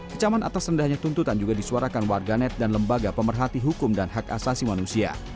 kecaman atas rendahnya tuntutan juga disuarakan warganet dan lembaga pemerhati hukum dan hak asasi manusia